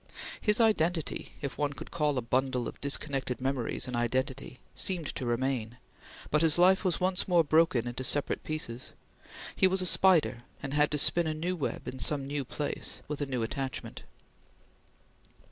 His identity, if one could call a bundle of disconnected memories an identity, seemed to remain; but his life was once more broken into separate pieces; he was a spider and had to spin a new web in some new place with a new attachment.